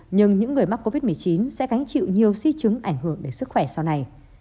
nhưng những người mắc covid một mươi chín sẽ gánh chịu nhiều di chứng ảnh hưởng đến sức khỏe sau này